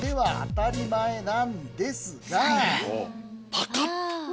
なんですがパタっと。